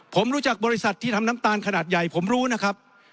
ผมรู้จักบริษัทที่ทำน้ำตาลขนาดใหญ่ผมรู้นะครับ